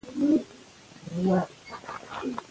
د يونليک ژبه داستاني ده او په ښکلو ترکيبونه.